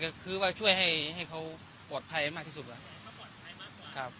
ก็คือว่าช่วยให้เขาปลอดภัยมากที่สุดครับ